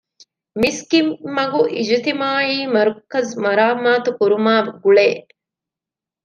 މިސްކިތްމަގު އިޖުތިމާޢީ މަރުކަޒު މަރާމާތު ކުރުމާގުޅޭ